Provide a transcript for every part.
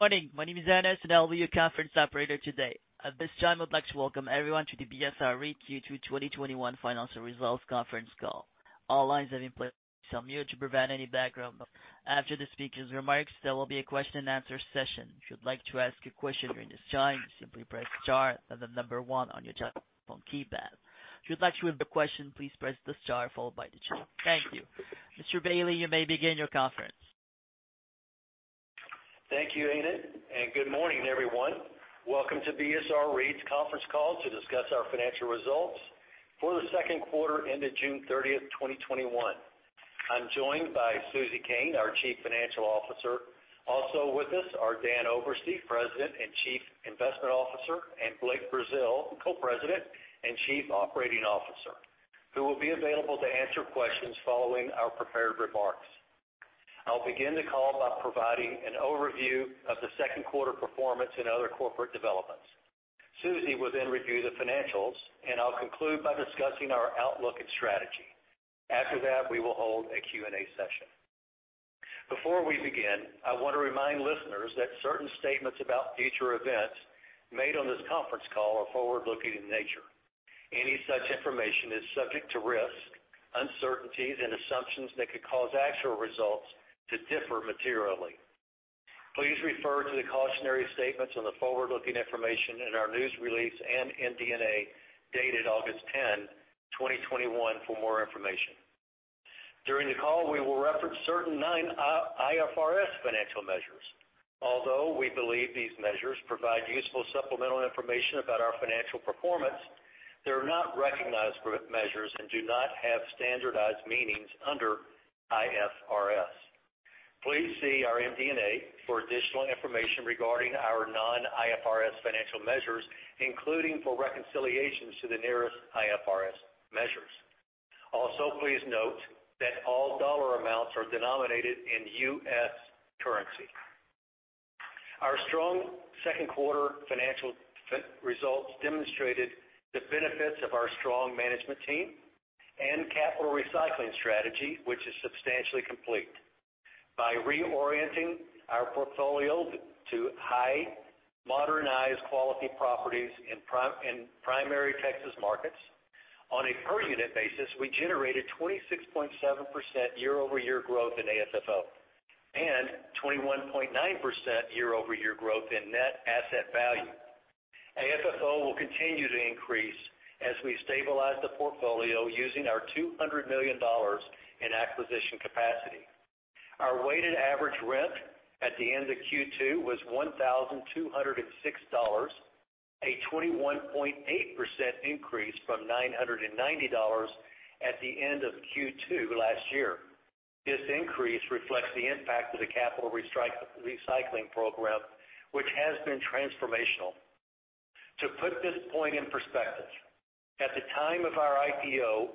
Morning. My name is Annette, and I'll be your conference operator today. At this time, I'd like to welcome everyone to the BSR REIT Q2 2021 Financial Results Conference Call. All lines have been placed on mute to prevent any background noise. After the speaker's remarks, there will be a question-and-answer session. If you'd like to ask a question during this time, simply press star, then the number one on your telephone keypad. If you'd like to withdraw the question, please press the star followed by the two. Thank you. Mr. Bailey, you may begin your conference. Thank you, Annette. Good morning, everyone. Welcome to BSR REIT's conference call to discuss our financial results for the second quarter ended June 30th, 2021. I'm joined by Susan Koehn, our Chief Financial Officer. Also with us are Dan Oberste, President and Chief Investment Officer, and Blake Brazeal, Co-President and Chief Operating Officer, who will be available to answer questions following our prepared remarks. I'll begin the call by providing an overview of the second quarter performance and other corporate developments. Susie will then review the financials, and I'll conclude by discussing our outlook and strategy. After that, we will hold a Q&A session. Before we begin, I want to remind listeners that certain statements about future events made on this conference call are forward-looking in nature. Any such information is subject to risks, uncertainties, and assumptions that could cause actual results to differ materially. Please refer to the cautionary statements on the forward-looking information in our news release and MD&A dated August 10, 2021 for more information. During the call, we will reference certain non-International Financial Reporting Standards financial measures. Although we believe these measures provide useful supplemental information about our financial performance, they're not recognized measures and do not have standardized meanings under IFRS. Please see our MD&A for additional information regarding our non-IFRS financial measures, including for reconciliations to the nearest IFRS measures. Also, please note that all dollar amounts are denominated in US currency. Our strong second quarter financial results demonstrated the benefits of our strong management team and capital recycling strategy, which is substantially complete. By reorienting our portfolio to high modernized quality properties in primary Texas markets, on a per unit basis, we generated 26.7% year-over-year growth in Adjusted Funds From Operations and 21.9% year-over-year growth in net asset value. AFFO will continue to increase as we stabilize the portfolio using our $200 million in acquisition capacity. Our weighted average rent at the end of Q2 was $1,206, a 21.8% increase from $990 at the end of Q2 last year. This increase reflects the impact of the capital recycling program, which has been transformational. To put this point in perspective, at the time of our Initial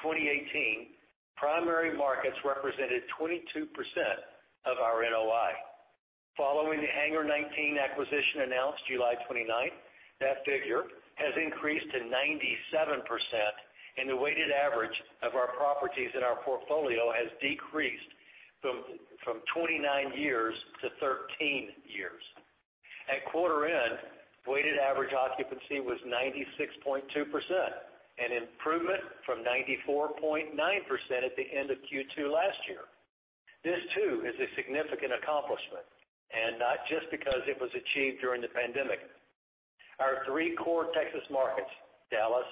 Public Offering in 2018, primary markets represented 22% of our Net Operating Income. Following the Hangar 19 acquisition announced July 29th, that figure has increased to 97%, and the weighted average of our properties in our portfolio has decreased from 29 years to 13 years. At quarter end, weighted average occupancy was 96.2%, an improvement from 94.9% at the end of Q2 last year. This too is a significant accomplishment, and not just because it was achieved during the pandemic. Our three core Texas markets, Dallas,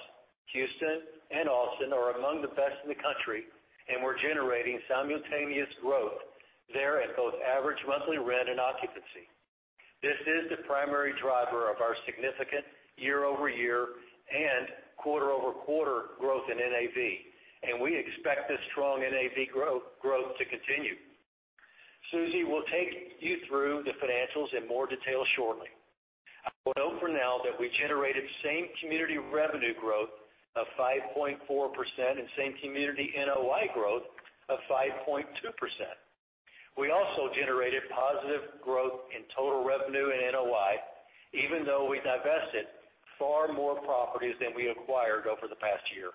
Houston, and Austin, are among the best in the country, and we're generating simultaneous growth there at both average monthly rent and occupancy. This is the primary driver of our significant year-over-year and quarter-over-quarter growth in Net Asset Value, and we expect this strong NAV growth to continue. Susie will take you through the financials in more detail shortly. I will note for now that we generated same community revenue growth of 5.4% and same community NOI growth of 5.2%. We also generated positive growth in total revenue and NOI, even though we divested far more properties than we acquired over the past year.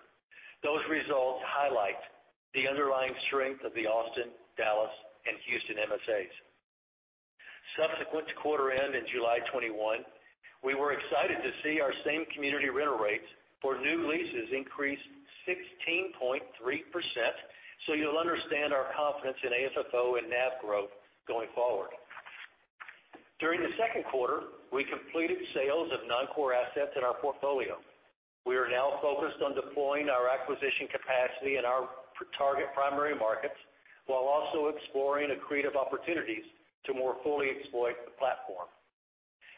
Those results highlight the underlying strength of the Austin, Dallas, and Houston Metropolitan Statistical Areas. Subsequent to quarter end in July 21, we were excited to see our same community rental rates for new leases increase 16.3%. You'll understand our confidence in AFFO and NAV growth going forward. During the second quarter, we completed sales of non-core assets in our portfolio. We are now focused on deploying our acquisition capacity in our target primary markets, while also exploring accretive opportunities to more fully exploit the platform.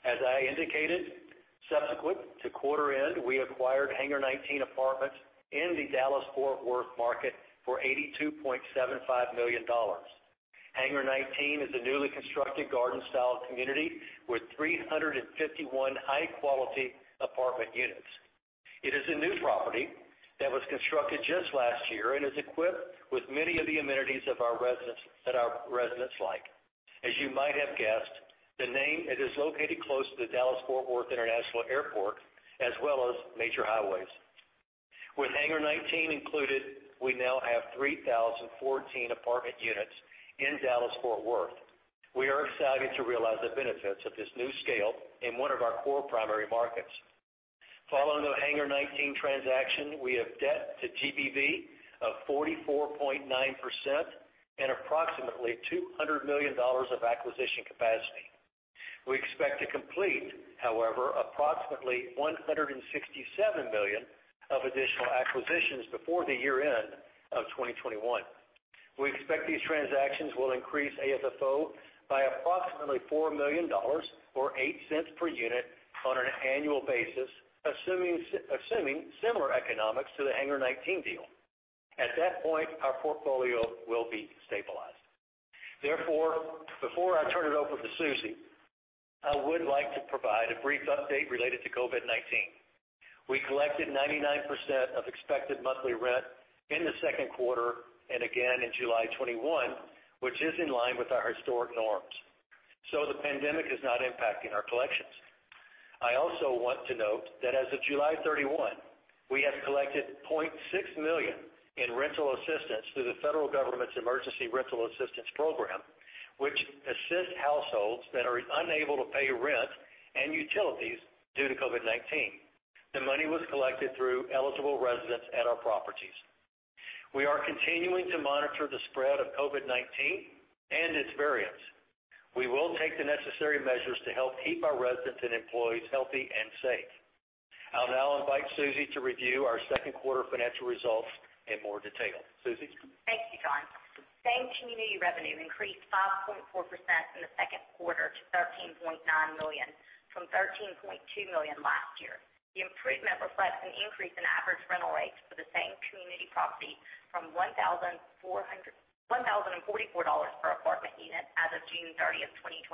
As I indicated, subsequent to quarter end, we acquired Hangar 19 Apartments in the Dallas-Fort Worth market for $82.75 million. Hangar 19 is a newly constructed garden-style community with 351 high-quality apartment units. It is a new property that was constructed just last year and is equipped with many of the amenities that our residents like. As you might have guessed, the name, it is located close to the Dallas-Fort Worth International Airport, as well as major highways. With Hangar 19 included, we now have 3,014 apartment units in Dallas-Fort Worth. We are excited to realize the benefits of this new scale in one of our core primary markets. Following the Hangar 19 transaction, we have Debt to Gross Book Value of 44.9% and approximately $200 million of acquisition capacity. We expect to complete, however, approximately $167 million of additional acquisitions before the year-end of 2021. We expect these transactions will increase AFFO by approximately $4 million, or $0.08 per unit on an annual basis, assuming similar economics to the Hangar 19 deal. At that point, our portfolio will be stabilized. Before I turn it over to Susie, I would like to provide a brief update related to COVID-19. We collected 99% of expected monthly rent in the second quarter, and again in July 2021, which is in line with our historic norms. The pandemic is not impacting our collections. I also want to note that as of July 31, we have collected $0.6 million in rental assistance through the federal government's Emergency Rental Assistance Program, which assists households that are unable to pay rent and utilities due to COVID-19. The money was collected through eligible residents at our properties. We are continuing to monitor the spread of COVID-19 and its variants. We will take the necessary measures to help keep our residents and employees healthy and safe. I'll now invite Susie to review our second quarter financial results in more detail. Susie? Thank you, John. Same community revenue increased 5.4% in the second quarter to $13.9 million from $13.2 million last year. The improvement reflects an increase in average rental rates for the same community property from $1,044 per apartment unit as of June 30th, 2020,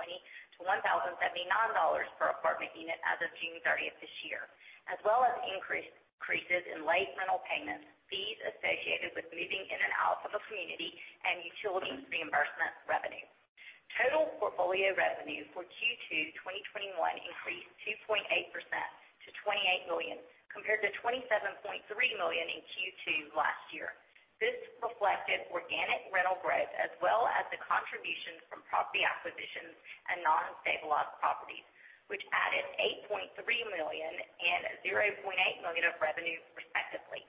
to $1,079 per apartment unit as of June 30th this year. As well as increases in late rental payments, fees associated with moving in and out of a community, and utility reimbursement revenue. Total portfolio revenue for Q2 2021 increased 2.8% to $28 million compared to $27.3 million in Q2 last year. This reflected organic rental growth, as well as the contributions from property acquisitions and non-stabilized properties, which added $8.3 million and $0.8 million of revenue respectively.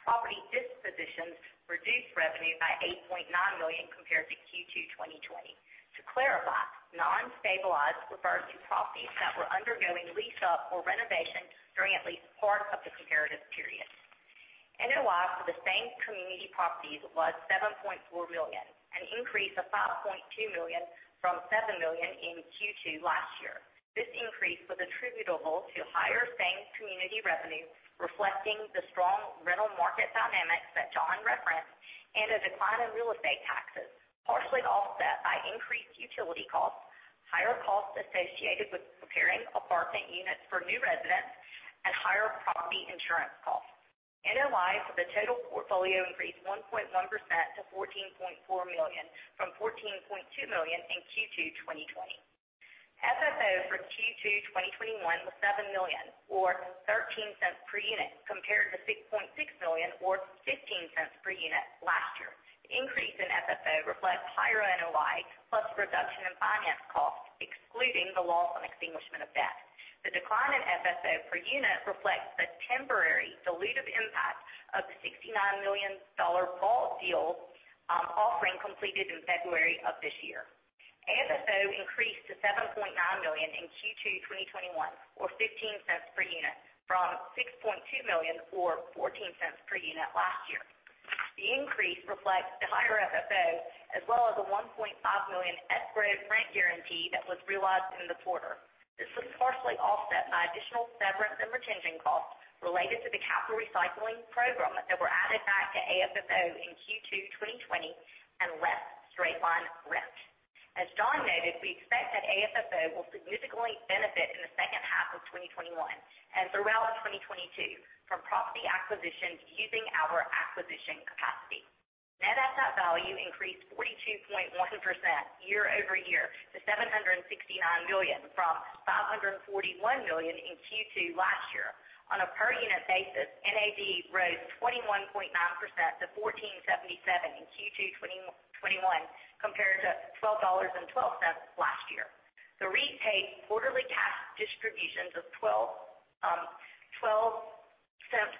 Property dispositions reduced revenue by $8.9 million compared to Q2 2020. To clarify, non-stabilized refers to properties that were undergoing lease up or renovation during at least part of the comparative period. NOI for the same community properties was $7.4 million, an increase of $5.2 million from $7 million in Q2 last year. This increase was attributable to higher same community revenue reflecting the strong rental market dynamics that John referenced, and a decline in real estate taxes, partially offset by increased utility costs, higher costs associated with preparing apartment units for new residents, and higher property insurance costs. NOI for the total portfolio increased 1.1% to $14.4 million from $14.2 million in Q2 2020. FFO for Q2 2021 was $7 million, or $0.13 per unit, compared to $6.6 million, or $0.15 per unit last year. The increase in FFO reflects higher NOI plus reduction in finance costs, excluding the loss on extinguishment of debt. The decline in FFO per unit reflects the temporary dilutive impact of the $69 million bond deal offering completed in February of this year. AFFO increased to $7.9 million in Q2 2021, or $0.15 per unit, from $6.2 million, or $0.14 per unit last year. The increase reflects the higher FFO, as well as a $1.5 million escrow rent guarantee that was realized in the quarter. This was partially offset by additional severance and retention costs related to the capital recycling program that were added back to AFFO in Q2 2020 and less straight-line rent. As John noted, we expect that AFFO will significantly benefit in the second half of 2021 and throughout 2022 from property acquisitions using our acquisition capacity. Net asset value increased 42.1% year-over-year to $769 million from $541 million in Q2 last year. On a per unit basis, NAV rose 21.9% to $14.77 in Q2 2021 compared to $12.12 last year. The REIT paid quarterly cash distributions of $0.12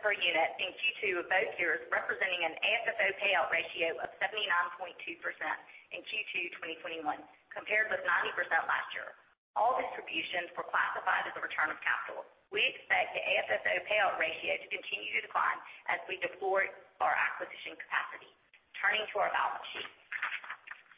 per unit in Q2 of both years, representing an AFFO payout ratio of 79.2% in Q2 2021 compared with 90% last year. All distributions were classified as a return of capital. We expect the AFFO payout ratio to continue to decline as we deploy our acquisition capacity. Turning to our balance sheet.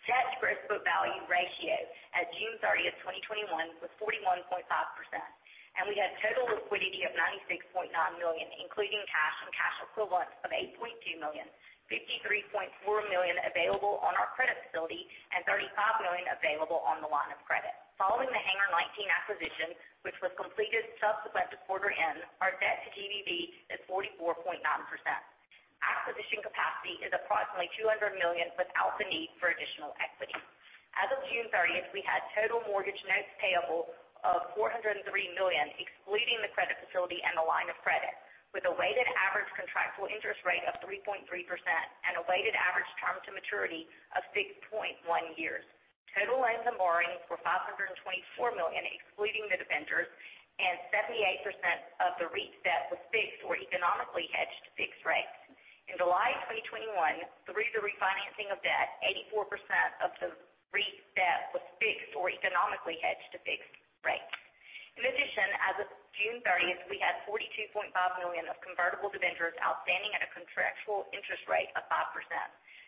Debt to Gross Book Value ratio as of June 30th, 2021 was 41.5%, and we had total liquidity of $96.9 million, including cash and cash equivalents of $8.2 million, $53.4 million available on our credit facility, and $35 million available on the line of credit. Following the Hangar 19 acquisition, which was completed subsequent to quarter end, our Debt to GBV is 44.9%. Acquisition capacity is approximately $200 million without the need for additional equity. As of June 30th, we had total mortgage notes payable of $403 million, excluding the credit facility and the line of credit, with a weighted average contractual interest rate of 3.3% and a weighted average term to maturity of 6.1 years. Total lines of borrowing were $524 million, excluding the debentures, and 78% of the REIT debt was fixed or economically hedged to fixed rates. In July 2021, through the refinancing of debt, 84% of the REIT debt was fixed or economically hedged to fixed rates. In addition, as of June 30th, we had $42.5 million of convertible debentures outstanding at a contractual interest rate of 5%.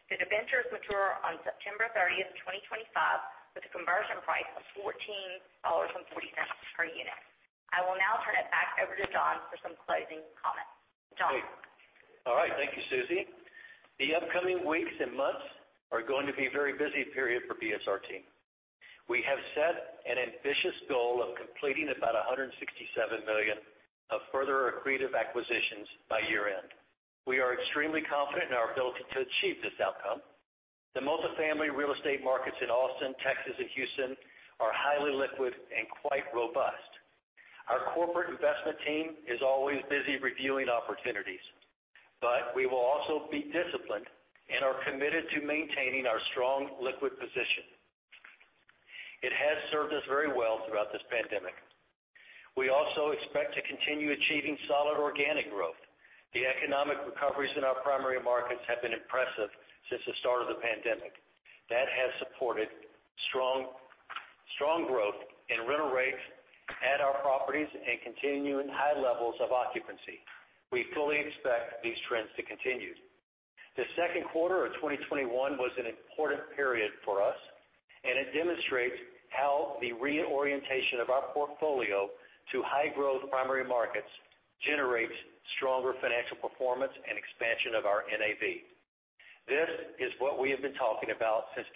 The debentures mature on September 30th, 2025, with a conversion price of $14.40 per unit. I will now turn it back over to John for some closing comments. John? All right. Thank you, Susie. The upcoming weeks and months are going to be a very busy period for BSR team. We have set an ambitious goal of completing about $167 million of further accretive acquisitions by year-end. We are extremely confident in our ability to achieve this outcome. The multifamily real estate markets in Austin, TX, and Houston are highly liquid and quite robust. Our corporate investment team is always busy reviewing opportunities, but we will also be disciplined and are committed to maintaining our strong liquid position. It has served us very well throughout this pandemic. We also expect to continue achieving solid organic growth. The economic recoveries in our primary markets have been impressive since the start of the pandemic. That has supported strong growth in rental rates at our properties and continuing high levels of occupancy. We fully expect these trends to continue. The second quarter of 2021 was an important period for us, and it demonstrates how the reorientation of our portfolio to high-growth primary markets generates stronger financial performance and expansion of our NAV. This is what we have been talking about since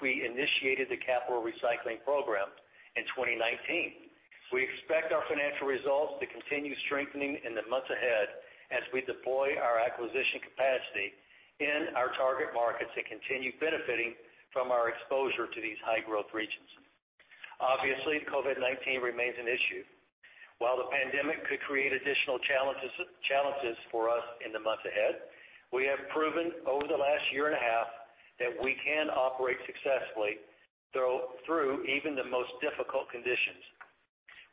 we initiated the capital recycling program in 2019. We expect our financial results to continue strengthening in the months ahead as we deploy our acquisition capacity in our target markets and continue benefiting from our exposure to these high-growth regions. Obviously, COVID-19 remains an issue. While the pandemic could create additional challenges for us in the months ahead, we have proven over the last one and a half that we can operate successfully through even the most difficult conditions.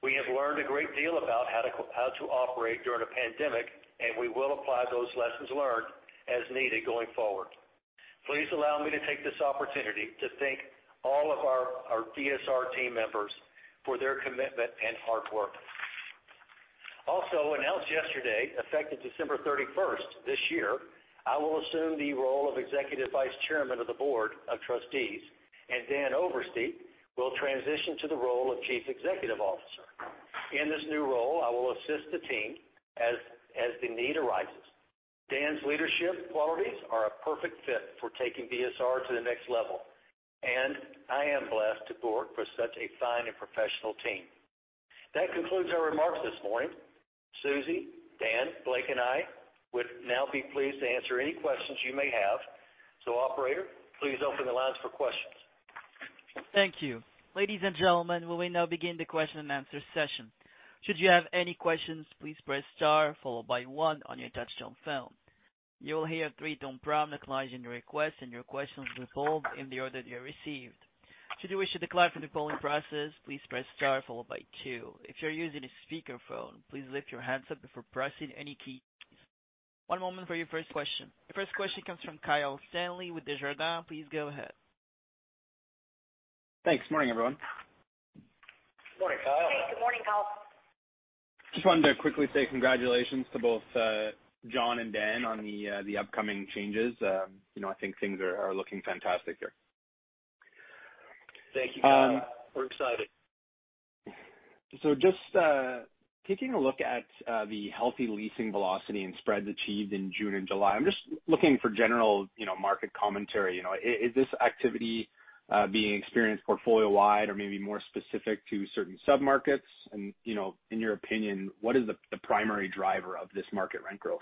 We have learned a great deal about how to operate during a pandemic, and we will apply those lessons learned as needed going forward. Please allow me to take this opportunity to thank all of our BSR team members for their commitment and hard work. Also announced yesterday, effective December 31st this year, I will assume the role of Executive Vice Chairman of the Board of Trustees, and Dan Oberste will transition to the role of Chief Executive Officer. In this new role, I will assist the team as the need arises. Dan's leadership qualities are a perfect fit for taking BSR to the next level, and I am blessed to work with such a fine and professional team. That concludes our remarks this morning. Susie, Dan, Blake, and I would now be pleased to answer any questions you may have. Operator, please open the lines for questions. Thank you. Ladies and gentlemen, we will now begin the question and answer session. Should you have any questions, please press star followed by one on your touchtone phone. You will hear a three-tone prompt acknowledging your request, and your question will be pulled in the order they are received. Should you wish to decline from the polling process, please press star followed by two. If you're using a speakerphone, please lift your handset before pressing any keys. One moment for your first question. Your first question comes from Kyle Stanley with Desjardins. Please go ahead. Thanks. Morning, everyone. Morning, Kyle. Hey, good morning, Kyle. Just wanted to quickly say congratulations to both John and Dan on the upcoming changes. I think things are looking fantastic there. Thank you, Kyle. We're excited. Just taking a look at the healthy leasing velocity and spreads achieved in June and July, I'm just looking for general market commentary. Is this activity being experienced portfolio-wide or maybe more specific to certain sub-markets? In your opinion, what is the primary driver of this market rent growth?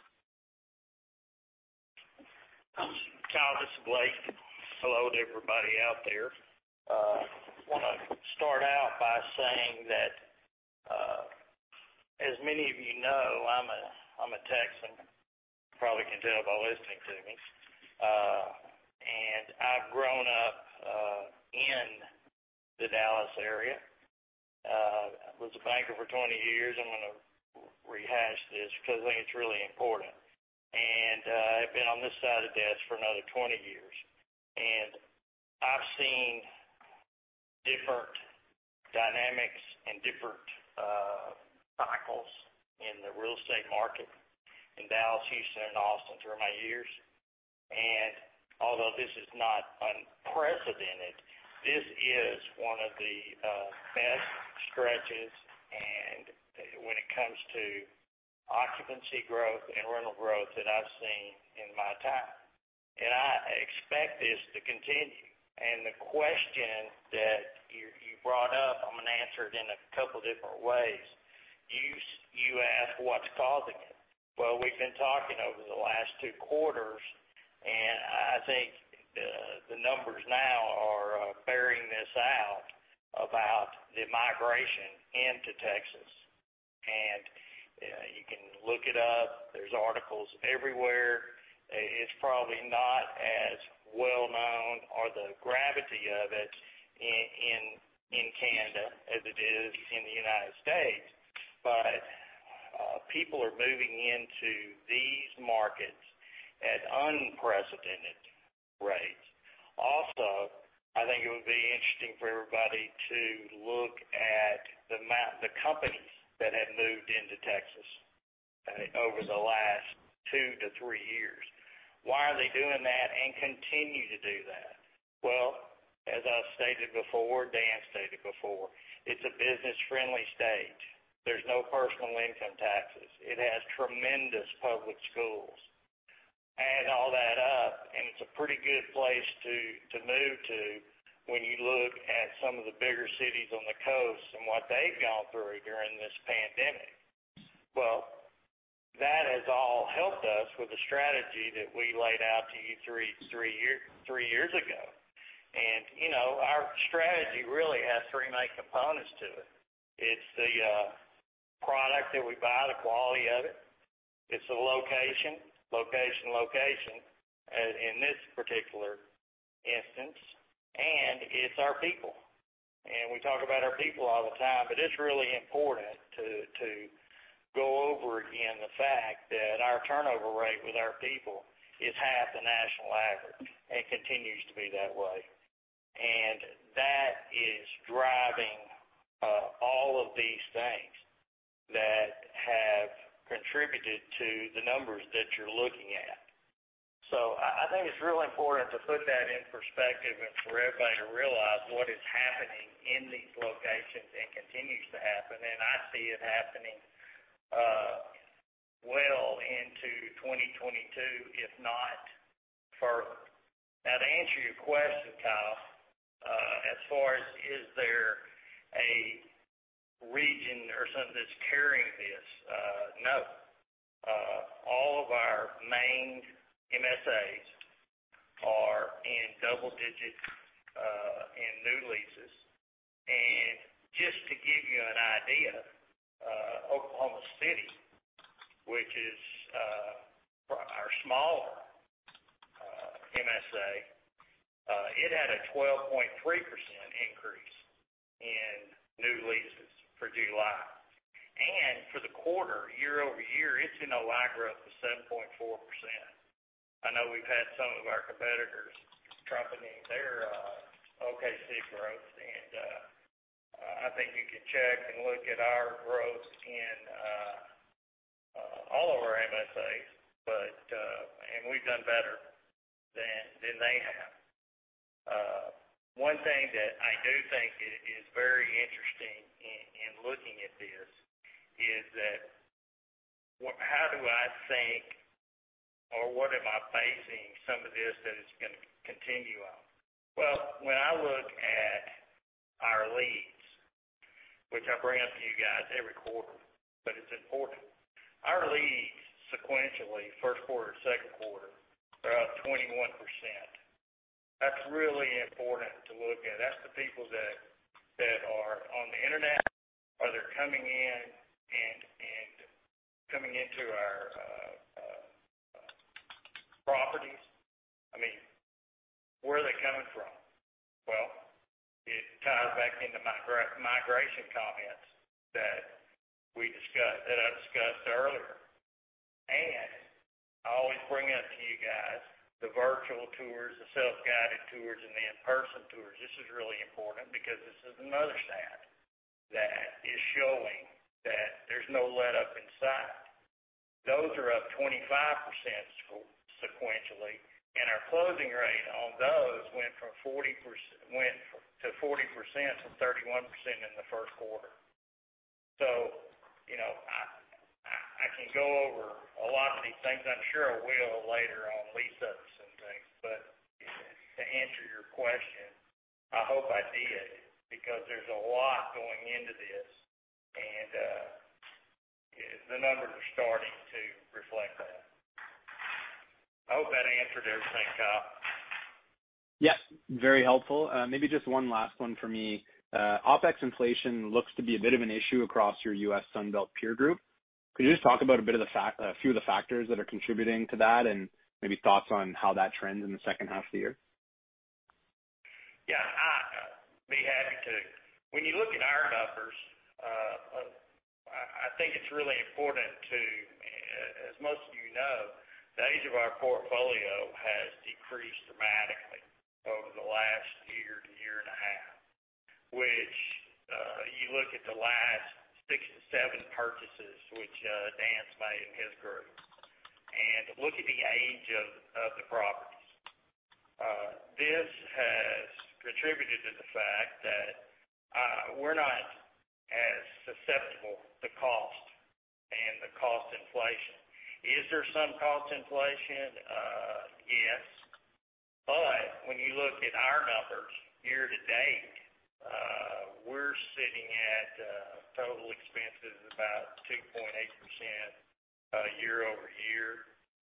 Kyle, this is Blake Brazeal. Hello to everybody out there. I want to start out by saying that, as many of you know, I'm a Texan. Probably can tell by listening to me. I've grown up in the Dallas area. I was a banker for 20 years. I'm going to rehash this because I think it's really important. I've been on this side of the desk for another 20 years, and I've seen different dynamics and different cycles in the real estate market in Dallas, Houston, and Austin through my years. Although this is not unprecedented, this is one of the best stretches, and when it comes to occupancy growth and rental growth, that I've seen in my time. I expect this to continue. The question that you brought up, I'm going to answer it in a couple different ways. You ask what's causing it. We've been talking over the last two quarters, and I think the numbers now are bearing this out about the migration into Texas. You can look it up. There's articles everywhere. It's probably not as well known or the gravity of it in Canada as it is in the U.S. People are moving into these markets at unprecedented rates. I think it would be interesting for everybody to look at the companies that have moved into Texas over the last two to three years. Why are they doing that and continue to do that? As I've stated before, Dan stated before, it's a business-friendly state. There's no personal income taxes. It has tremendous public schools. Add all that up, it's a pretty good place to move to when you look at some of the bigger cities on the coast and what they've gone through during this pandemic. Well, that has all helped us with the strategy that we laid out to you three years ago. Our strategy really has three main components to it. It's the product that we buy, the quality of it. It's the location, location, in this particular instance. It's our people. We talk about our people all the time, but it's really important to go over again the fact that our turnover rate with our people is half the national average and continues to be that way. That is driving all of these things that have contributed to the numbers that you're looking at. I think it's real important to put that in perspective and for everybody to realize what is happening in these locations and continues to happen, and I see it happening well into 2022, if not further. To answer your question, Kyle, as far as is there a region or something that's carrying this? No. All of our main MSAs are in double digits in new leases. Just to give you an idea, Oklahoma City, which is our smaller MSA, it had a 12.3% increase in new leases for July. For the quarter, year-over-year, it's NOI growth of 7.4%. I know we've had some of our competitors trumpeting their Oklahoma City growth, and I think you can check and look at our growth in all of our MSAs, and we've done better than they have. One thing that I do think is very interesting in looking at this is that, how do I think or what am I basing some of this that it's going to continue on? Well, when I look at our leads, which I bring up to you guys every quarter, but it's important. Our leads sequentially, first quarter, second quarter, are up 21%. That's really important to look at. That's the people that are on the internet, or they're coming into our properties. Where are they coming from? Well, it ties back into migration comments that I discussed earlier. I always bring up to you guys the virtual tours, the self-guided tours, and the in-person tours. This is really important because this is another stat that is showing that there's no let-up in sight. Those are up 25% sequentially, and our closing rate on those went to 40% from 31% in the first quarter. I can go over a lot of these things. I'm sure I will later on lease-ups and things, but to answer your question, I hope I did, because there's a lot going into this, and the numbers are starting to reflect that. I hope that answered everything, Kyle. Yeah. Very helpful. Maybe just one last one for me. OpEx inflation looks to be a bit of an issue across your U.S. Sunbelt peer group. Could you just talk about a few of the factors that are contributing to that, and maybe thoughts on how that trends in the second half of the year? Yeah. I'd be happy to. When you look at our numbers, I think it's really important to, as most of you know, the age of our portfolio has decreased dramatically over the last year to year and a half. Which you look at the last six to seven purchases, which Dan's made and his group, and look at the age of the properties. This has contributed to the fact that we're not as susceptible to cost and to cost inflation. Is there some cost inflation? Yes. When you look at our numbers year-to-date, we're sitting at total expenses about 2.8% year-over-year,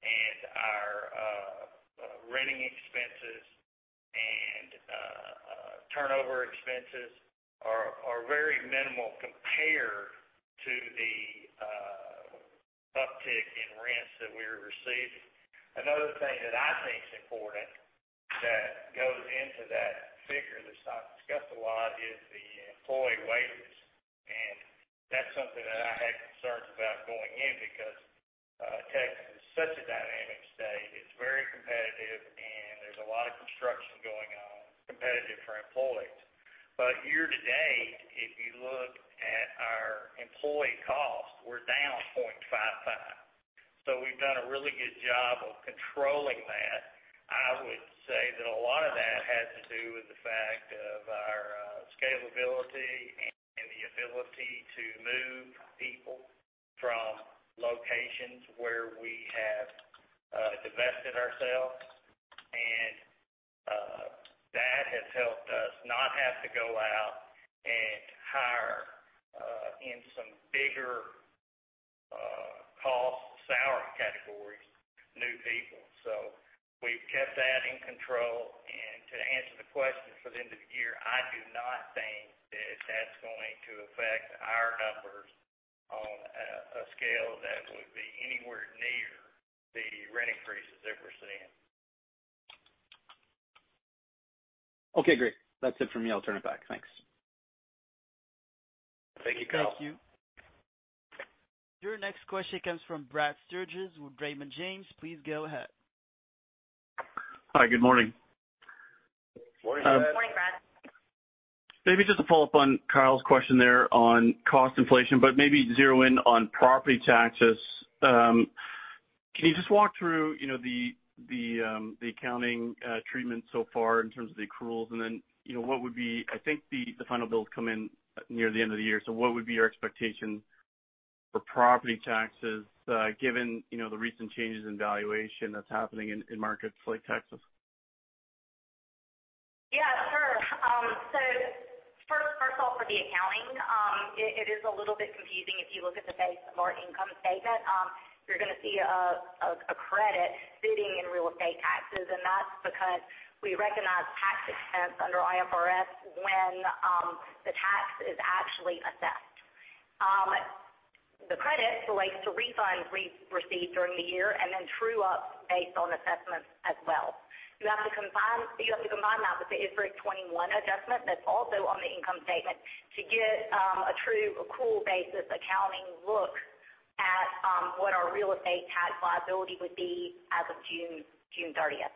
and our renting expenses and turnover expenses are very minimal compared to the uptick in rents that we're receiving. Another thing that I think is important that goes into that figure that's not discussed a lot is the employee wages. That's something that I had concerns about going in because Texas is such a dynamic state. It's very competitive and there's a lot of construction going on, competitive for employees. Year to date, if you look at our employee cost, we're down 0.55. We've done a really good job of controlling that. I would say that a lot of that has to do with the fact of our scalability and the ability to move people from locations where we have divested ourselves. That has helped us not have to go out and hire in some bigger cost salary categories, new people. We've kept that in control. To answer the question for the end of the year, I do not think that that's going to affect our numbers on a scale that would be anywhere near the rent increases that we're seeing. Okay, great. That's it for me. I'll turn it back. Thanks. Thank you, Kyle Stanley. Thank you. Your next question comes from Brad Sturges with Raymond James. Please go ahead. Hi, good morning. Morning, Brad. Morning, Brad. Maybe just to follow up on Kyle's question there on cost inflation, but maybe zero in on property taxes. Can you just walk through the accounting treatment so far in terms of the accruals, and then what would be I think the final bills come in near the end of the year? What would be your expectation for property taxes, given the recent changes in valuation that's happening in markets like Texas? First of all, for the accounting, it is a little bit confusing if you look at the base of our income statement. You're going to see a credit sitting in real estate taxes, and that's because we recognize tax expense under IFRS when the tax is actually assessed. The credit relates to refunds we've received during the year and then true up based on assessments as well. You have to combine that with the IFRIC 21 adjustment that's also on the income statement to get a true accrual basis accounting look at what our real estate tax liability would be as of June 30th.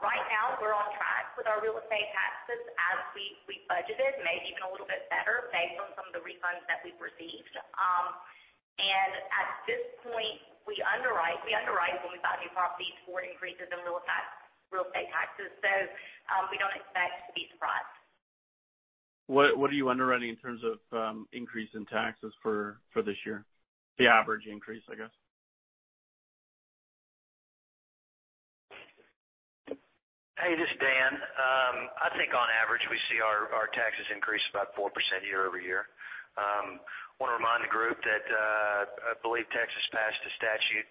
Right now, we're on track with our real estate taxes as we budgeted, maybe even a little bit better based on some of the refunds that we've received. At this point, we underwrite when we buy new properties for increases in real estate taxes. We don't expect to be surprised. What are you underwriting in terms of increase in taxes for this year? The average increase, I guess. Hey, this is Dan. I think on average, we see our taxes increase about 4% year-over-year. I want to remind the group that I believe Texas passed a statute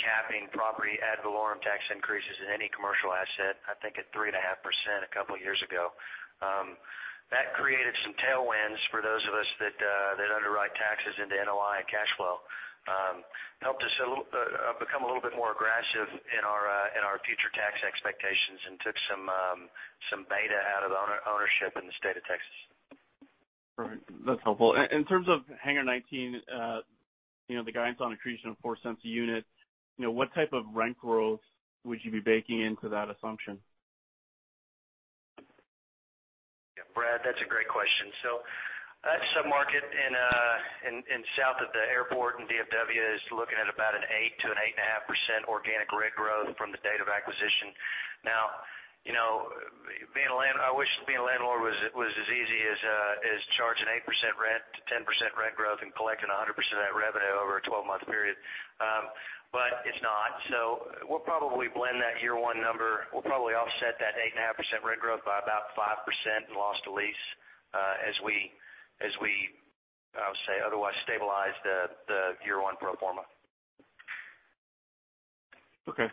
capping property ad valorem tax increases in any commercial asset, I think at 3.5% a couple of years ago. That created some tailwinds for those of us that underwrite taxes into NOI cash flow. It helped us become a little bit more aggressive in our future tax expectations and took some beta out of ownership in the state of Texas. All right. That's helpful. In terms of Hangar 19, the guidance on accretion of $0.04 a unit, what type of rent growth would you be baking into that assumption? Yeah, Brad, that's a great question. That sub-market in south of the airport in DFW is looking at about an 8%-8.5% organic rent growth from the date of acquisition. Now, I wish being a landlord was as easy as charging 8%-10% rent growth and collecting 100% of that revenue over a 12-month period. It's not. We'll probably blend that year one number. We'll probably offset that 8.5% rent growth by about 5% in lost lease as we, I would say, otherwise stabilize the year-one pro forma. Okay.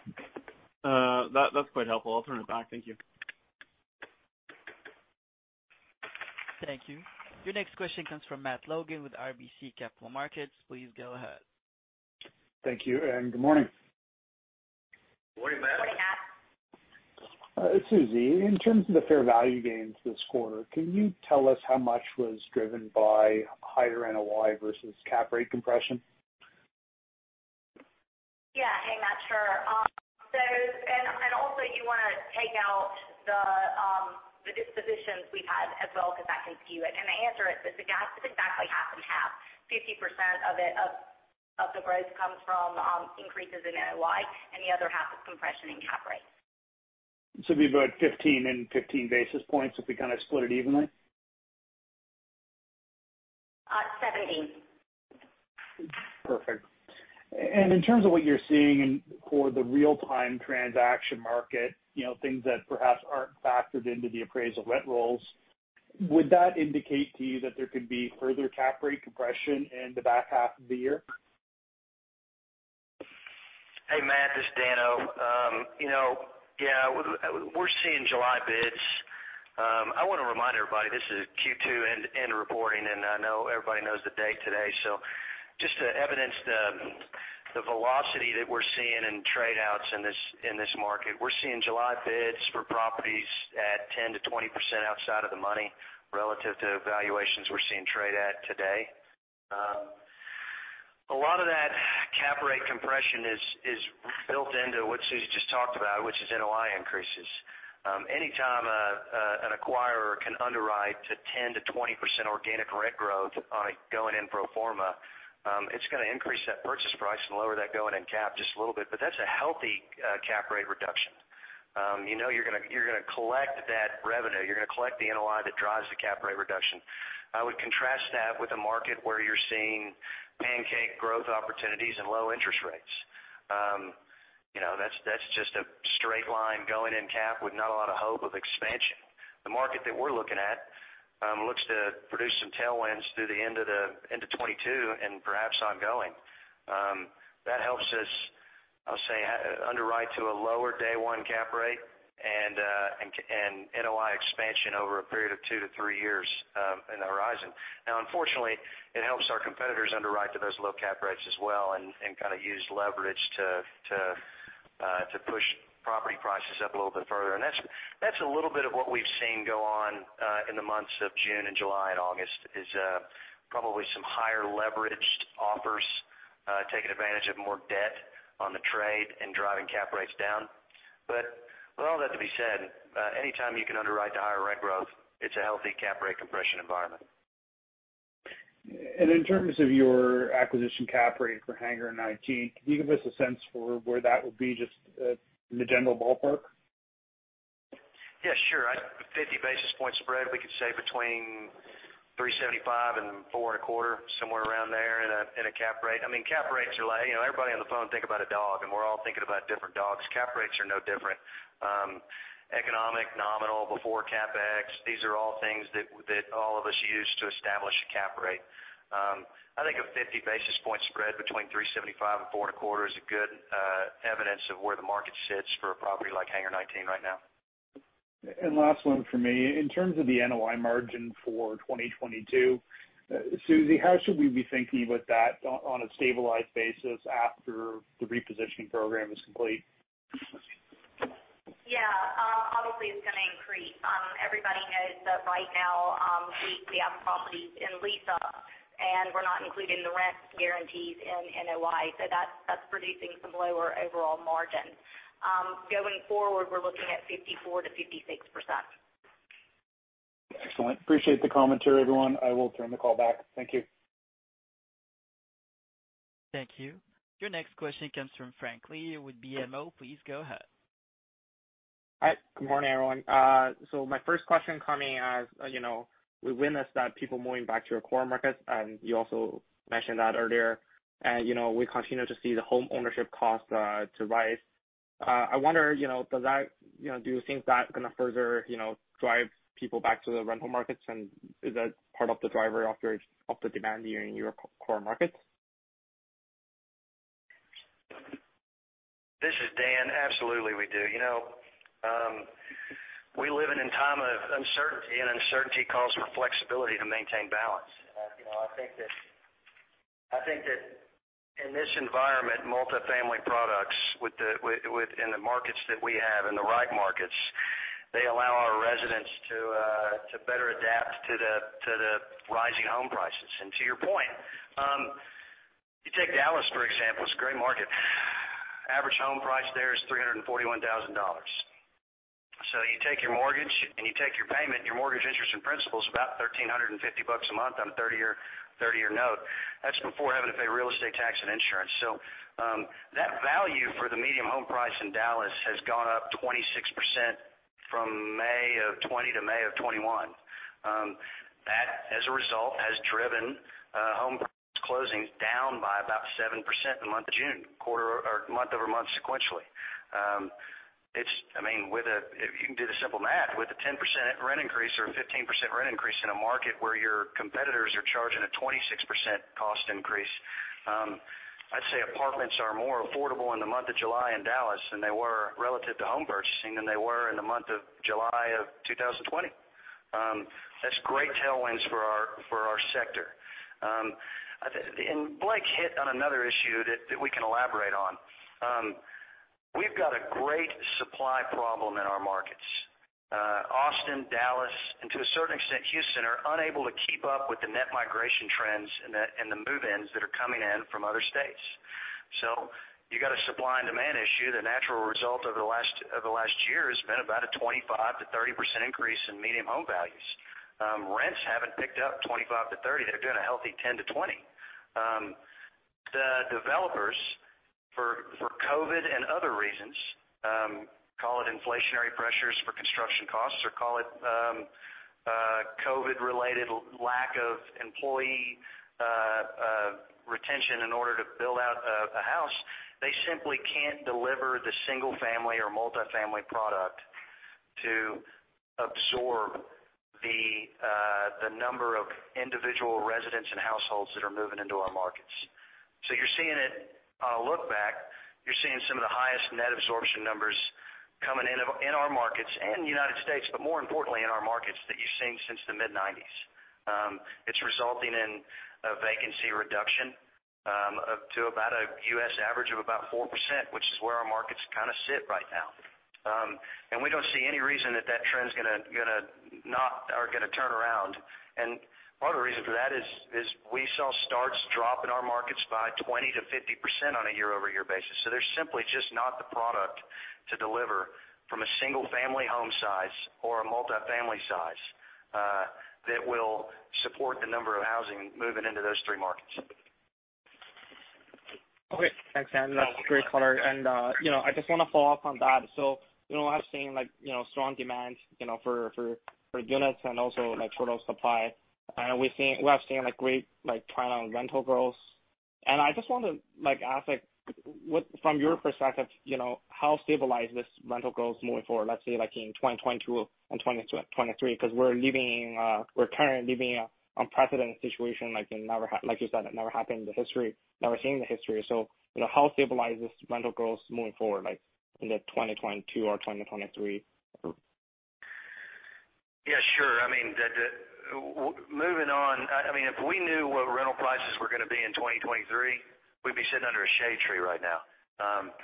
That's quite helpful. I'll turn it back. Thank you. Thank you. Your next question comes from Matt Logan with RBC Capital Markets. Please go ahead. Thank you, and good morning. Morning, Matt. Morning, Matt. Susie, in terms of the fair value gains this quarter, can you tell us how much was driven by higher NOI versus cap rate compression? Yeah. Hey, Matt, sure. Also you want to take out the dispositions we've had as well, because that can skew it. The answer is that the gap is exactly half and half. 50% of the growth comes from increases in NOI, and the other half is compression in cap rates. It'd be about 15 and 15 basis points if we kind of saplit it evenly? Perfect. In terms of what you're seeing for the real-time transaction market, things that perhaps aren't factored into the appraisal rent rolls, would that indicate to you that there could be further cap rate compression in the back half of the year? Hey, Matt, this is Dan-o. Yeah. We're seeing July bids. I want to remind everybody this is Q2 end reporting, and I know everybody knows the date today. Just to evidence the velocity that we're seeing in trade-outs in this market, we're seeing July bids for properties at 10%-20% outside of the money relative to valuations we're seeing trade at today. A lot of that cap rate compression is built into what Susie just talked about, which is NOI increases. Anytime an acquirer can underwrite to 10%-20% organic rent growth on a go-in pro forma, it's going to increase that purchase price and lower that go-in cap just a little bit. That's a healthy cap rate reduction. You know you're going to collect that revenue. You're going to collect the NOI that drives the cap rate reduction. I would contrast that with a market where you're seeing pancake growth opportunities and low interest rates. That's just a straight line go-in cap with not a lot of hope of expansion. The market that we're looking at looks to produce some tailwinds through the end of 2022 and perhaps ongoing. That helps us, I'll say, underwrite to a lower day one cap rate and NOI expansion over a period of two to three years in the horizon. Unfortunately, it helps our competitors underwrite to those low cap rates as well, and kind of use leverage to push property prices up a little bit further. That's a little bit of what we've seen go on in the months of June and July and August, is probably some higher leveraged offers taking advantage of more debt on the trade and driving cap rates down. With all that to be said, anytime you can underwrite to higher rent growth, it's a healthy cap rate compression environment. In terms of your acquisition cap rate for Hangar 19, can you give us a sense for where that would be, just in the general ballpark? Yeah, sure. A 50 basis point spread, we could say between 3.75% and 4.25%, somewhere around there in a cap rate. Everybody on the phone think about a dog, and we're all thinking about different dogs. Cap rates are no different. Economic, nominal, before CapEx, these are all things that all of us use to establish a cap rate. I think a 50 basis point spread between 3.75% and 4.25% is a good evidence of where the market sits for a property like Hangar 19 right now. Last one from me. In terms of the NOI margin for 2022, Susie, how should we be thinking about that on a stabilized basis after the repositioning program is complete? Obviously, it's going to increase. Everybody knows that right now, we have properties in lease-up, and we're not including the rent guarantees in NOI, so that's producing some lower overall margin. Going forward, we're looking at 54%-56%. Excellent. Appreciate the commentary, everyone. I will turn the call back. Thank you. Thank you. Your next question comes from Frank Liu with BMO Capital Markets. Please go ahead. Hi. Good morning, everyone. My first question coming as we witness that people moving back to your core markets, and you also mentioned that earlier, and we continue to see the homeownership cost to rise. I wonder, do you think that's going to further drive people back to the rental markets, and is that part of the driver of the demand in your core markets? This is Dan. Absolutely, we do. We live in a time of uncertainty calls for flexibility to maintain balance. I think that in this environment, multifamily products in the markets that we have, in the right markets, they allow our residents to better adapt to the rising home prices. To your point, you take Dallas, for example. It's a great market. Average home price there is $341,000. You take your mortgage and you take your payment, your mortgage interest and principal is about $1,350 a month on a 30-year note. That's before having to pay real estate tax and insurance. That value for the medium home price in Dallas has gone up 26% from May of 2020 to May of 2021. That, as a result, has driven home closings down by about 7% in the month of June, month-over-month sequentially. If you can do the simple math, with a 10% rent increase or a 15% rent increase in a market where your competitors are charging a 26% cost increase, I'd say apartments are more affordable in the month of July in Dallas than they were relative to home purchasing than they were in the month of July of 2020. That's great tailwinds for our sector. Blake hit on another issue that we can elaborate on. We've got a great supply problem in our markets. Austin, Dallas, and to a certain extent, Houston are unable to keep up with the net migration trends and the move-ins that are coming in from other states. You've got a supply and demand issue. The natural result over the last year has been about a 25%-30% increase in medium home values. Rents haven't picked up 25%-30%, they're doing a healthy 10%-20%. The developers, for COVID and other reasons, call it inflationary pressures for construction costs or call it COVID related lack of employee retention in order to build out a house. They simply can't deliver the single family or multifamily product to absorb the number of individual residents and households that are moving into our markets. You're seeing it on a look back. You're seeing some of the highest net absorption numbers coming in our markets, in the United States, but more importantly in our markets that you've seen since the mid-1990s. It's resulting in a vacancy reduction up to about a U.S. average of about 4%, which is where our markets kind of sit right now. We don't see any reason that that trend's going to turn around. Part of the reason for that is we saw starts drop in our markets by 20%-50% on a year-over-year basis. There's simply just not the product to deliver from a single family home size or a multi-family size, that will support the number of housing moving into those three markets. Okay, thanks. That's a great color. I just want to follow up on that. I've seen strong demand for units and also total supply. We have seen great plan on rental growth. I just want to ask, from your perspective, how stabilized is rental growth moving forward, let's say in 2022 and 2023? Because we're currently living in unprecedented situation, like you said, that never happened in the history, never seen in the history. How stabilized is rental growth moving forward, like in 2022 or 2023? Yeah, sure. Moving on, if we knew what rental prices were going to be in 2023, we'd be sitting under a shade tree right now.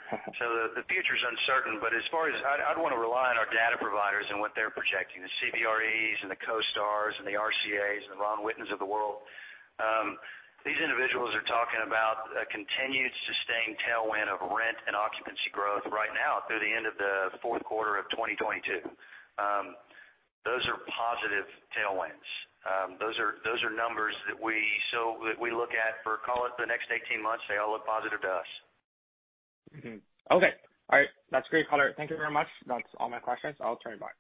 The future's uncertain, but as far as I'd want to rely on our data providers and what they're projecting, the Coldwell Banker Richard Ellis and the CoStars and the Real Capital Analytics and the Ron Wittens of the world. These individuals are talking about a continued sustained tailwind of rent and occupancy growth right now through the end of the fourth quarter of 2022. Those are positive tailwinds. Those are numbers that we look at for, call it the next 18 months. They all look positive to us. Okay. All right. That's great color. Thank you very much. That's all my questions. I'll turn it back.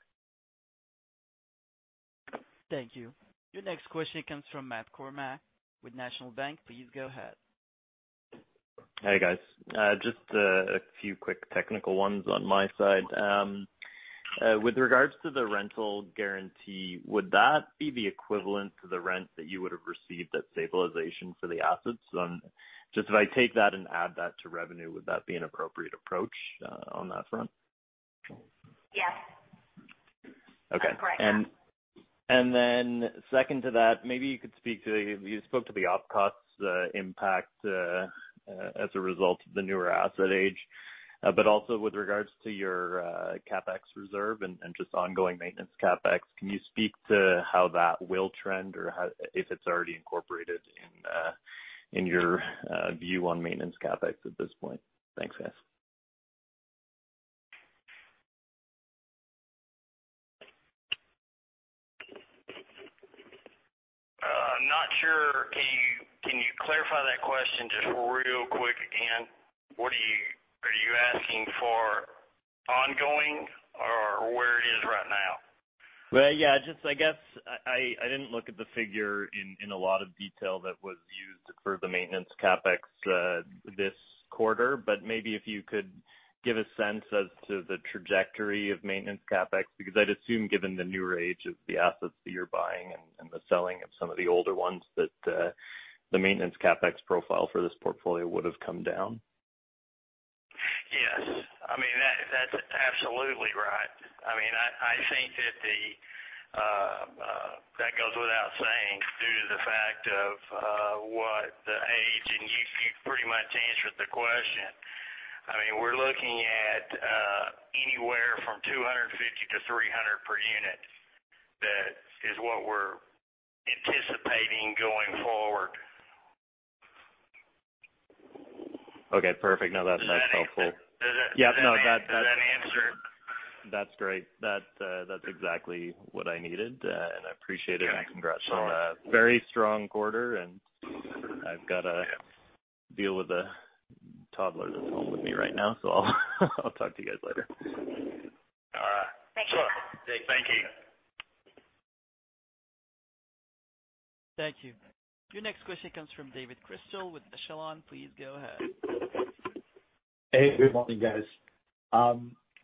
Thank you. Your next question comes from Matt Kornack with National Bank. Please go ahead. Hey, guys. Just a few quick technical ones on my side. With regards to the rental guarantee, would that be the equivalent to the rent that you would've received at stabilization for the assets? Just if I take that and add that to revenue, would that be an appropriate approach on that front? Yes. Okay. That's correct. Then second to that, you spoke to the OpEx impact as a result of the newer asset age, but also with regards to your CapEx reserve and just ongoing maintenance CapEx. Can you speak to how that will trend or if it's already incorporated in your view on maintenance CapEx at this point? Thanks, guys. I'm not sure. Can you clarify that question just real quick again? Are you asking for ongoing or where it is right now? Well, yeah. I guess I didn't look at the figure in a lot of detail that was used for the maintenance CapEx this quarter. Maybe if you could give a sense as to the trajectory of maintenance CapEx, because I'd assume given the newer age of the assets that you're buying and the selling of some of the older ones, that the maintenance CapEx profile for this portfolio would've come down. Yes. That's absolutely right. I think that goes without saying due to the fact of what the age, and you pretty much answered the question. We're looking at anywhere from $250-$300 per unit. That is what we're anticipating going forward. Okay, perfect. No, that's helpful. Does that answer? That's great. That's exactly what I needed. I appreciate it. Okay. Congrats on a very strong quarter. I've got to deal with a toddler that's home with me right now. I'll talk to you guys later. All right. Thanks Matt. Sure. Thank you. Thank you. Your next question comes from David Chrystal with Echelon Wealth Partners. Please go ahead. Hey, good morning, guys.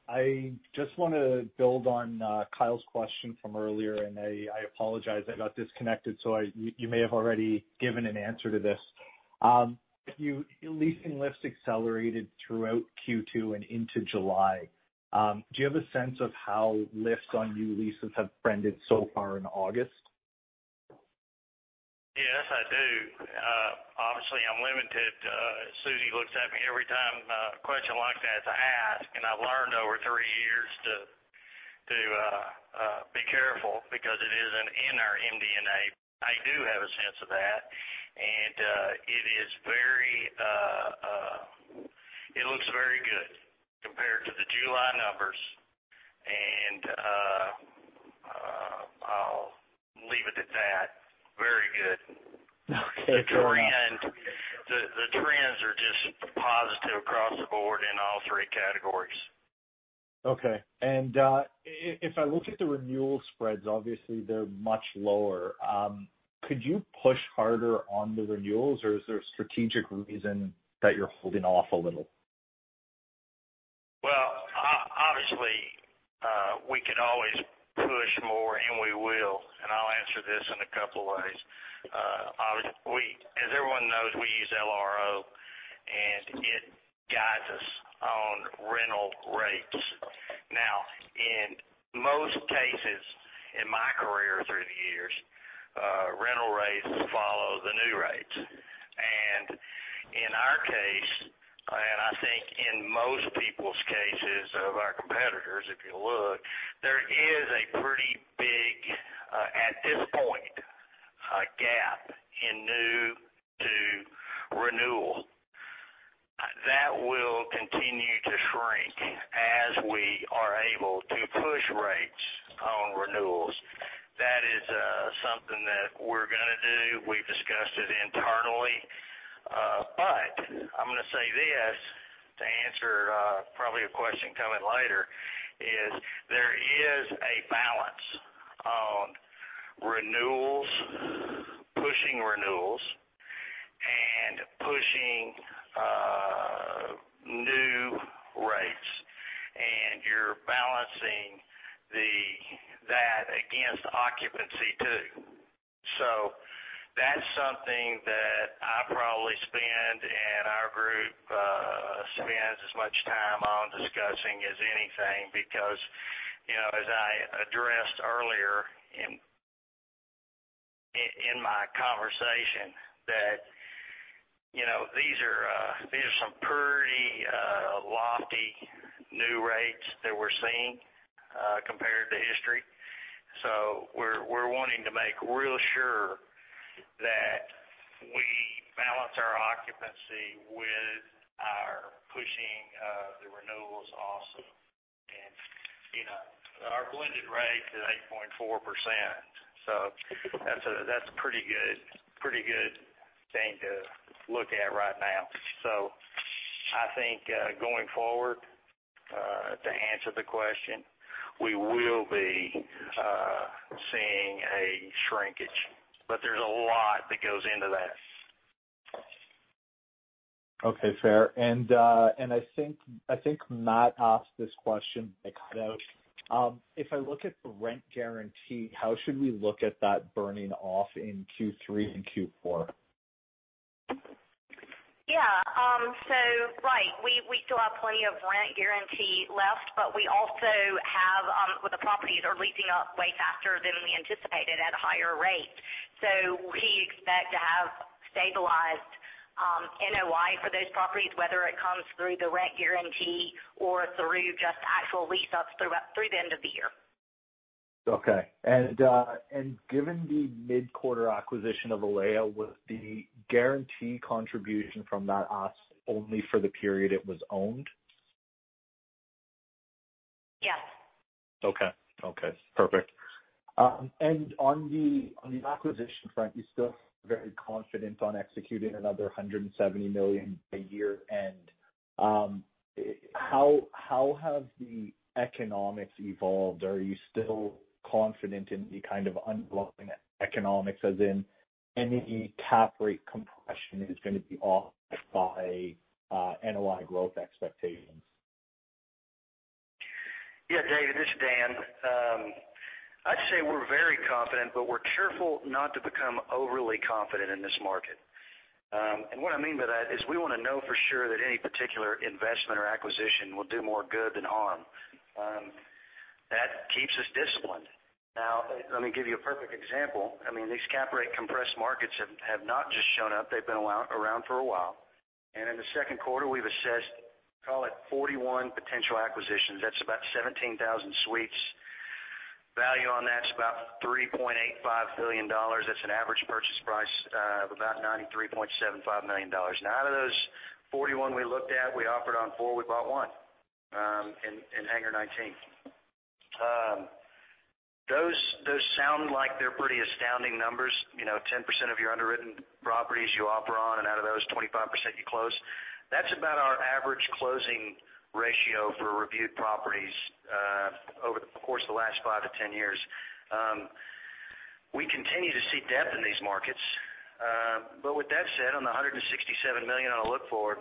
I just want to build on Kyle's question from earlier, and I apologize, I got disconnected. You may have already given an answer to this. Leasing lifts accelerated throughout Q2 and into July. Do you have a sense of how lifts on new leases have trended so far in August? Yes, I do. Obviously, I'm limited. Suzy looks at me every time a question like that is asked, and I've learned over three years to be careful because it isn't in our MD&A. I do have a sense of that, and it looks very good compared to the July numbers, and I'll leave it at that. Very good. Okay. The trends are just positive across the board in all three categories. Okay. If I look at the renewal spreads, obviously they're much lower. Could you push harder on the renewals, or is there a strategic reason that you're holding off a little? Well, obviously, we could always push more, and we will. I'll answer this in couples of ways. As everyone knows, we use Lease Rent Optimizer, and it guides us on rental rates. In most cases in my career through the years, rental rates follow the new rates. In our case, and I think in most people's cases of our competitors, if you look, there is a pretty big, at this point, gap in new to renewal. That will continue to shrink as we are able to push rates on renewals. That is something that we're going to do. We've discussed it internally. I'm going to say this to answer probably a question coming later, is there is a balance on pushing renewals and pushing new rates, and you're balancing that against occupancy, too. That's something that I probably spend, and our group spends as much time on discussing as anything because, as I addressed earlier in my conversation, that these are some pretty lofty new rates that we're seeing compared to history. We're wanting to make real sure that we balance our occupancy with our pushing the renewals also. Our blended rate is 8.4%, so that's a pretty good thing to look at right now. I think, going forward, to answer the question, we will be seeing a shrinkage, but there's a lot that goes into that. Okay, fair. I think Matt asked this question, but it cut out. If I look at the rent guarantee, how should we look at that burning off in Q3 and Q4? Yeah. Right. We still have plenty of rent guarantee left, but we also have with the properties are leasing up way faster than we anticipated at a higher rate. We expect to have stabilized NOI for those properties, whether it comes through the rent guarantee or through just actual lease ups through the end of the year. Okay. Given the mid-quarter acquisition of Alleia, was the guarantee contribution from that asset only for the period it was owned? Yes. Okay. Perfect. On the acquisition front, you're still very confident on executing another $170 million by year-end. How have the economics evolved? Are you still confident in the kind of unlocking economics, as in any cap rate compression is going to be offset by NOI growth expectations? Yeah, David, this is Dan. I'd say we're very confident, but we're careful not to become overly confident in this market. What I mean by that is we want to know for sure that any particular investment or acquisition will do more good than harm. That keeps us disciplined. Now, let me give you a perfect example. These cap rate compressed markets have not just shown up. They've been around for a while. In the second quarter, we've assessed, call it 41 potential acquisitions. That's about 17,000 suites. Value on that's about $3.85 billion. That's an average purchase price of about $93.75 million. Now, out of those 41 we looked at, we offered on four, we bought one, in Hangar 19. Those sound like they're pretty astounding numbers. 10% of your underwritten properties you offer on, and out of those, 25% you close. That's about our average closing ratio for reviewed properties over the course of the last 5-10 years. We continue to see depth in these markets. With that said, on the $167 million on the look for,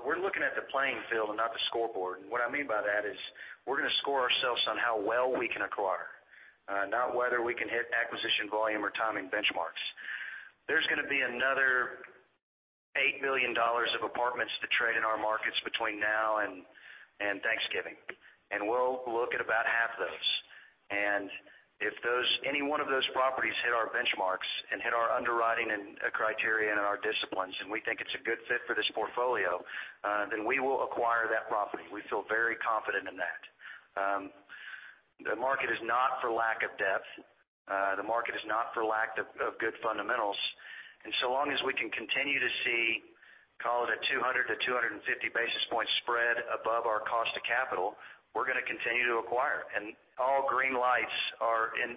we're looking at the playing field and not the scoreboard. What I mean by that is we're going to score ourselves on how well we can acquire, not whether we can hit acquisition volume or timing benchmarks. There's going to be another $8 million of apartments to trade in our markets between now and Thanksgiving, and we'll look at about half those. If any one of those properties hit our benchmarks and hit our underwriting and criteria and our disciplines, and we think it's a good fit for this portfolio, we will acquire that property. We feel very confident in that. The market is not for lack of depth. The market is not for lack of good fundamentals. So long as we can continue to see, call it a 200-250 basis point spread above our cost of capital, we're going to continue to acquire. We see green lights in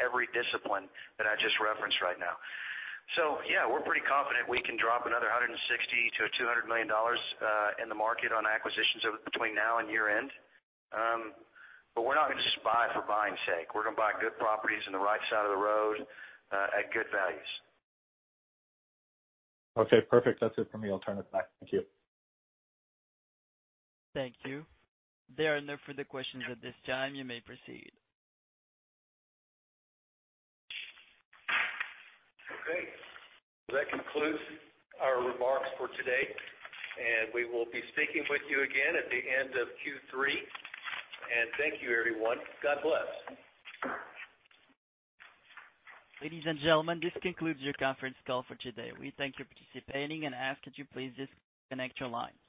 every discipline that I just referenced right now. Yeah, we're pretty confident we can drop another $160 million-$200 million in the market on acquisitions between now and year-end. We're not going to just buy for buying's sake. We're going to buy good properties on the right side of the road at good values. Okay, perfect. That's it for me. I'll turn it back. Thank you. Thank you. There are no further questions at this time. You may proceed. Okay. That concludes our remarks for today, and we will be speaking with you again at the end of Q3. Thank you, everyone. God bless. Ladies and gentlemen, this concludes your conference call for today. We thank you for participating and ask that you please disconnect your lines.